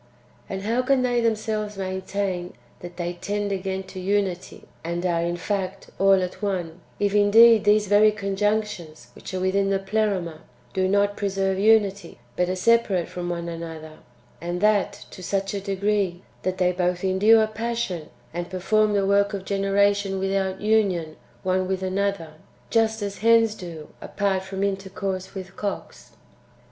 And how can they themselves main tain that they tend again to unity, and are, in fact, all at one, if indeed these very conjunctions, which are within tlie Pleroma, do not preserve unity, but are separate from one another ; and that to such a degree, that they both endure passion and perform the work of generation without union one with another, just as hens do apart from intercourse with cocks?